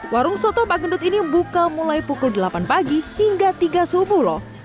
warung soto pak gendut ini buka mulai pukul delapan pagi hingga tiga subuh loh